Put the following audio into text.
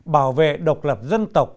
bảo vệ độc lập dân tộc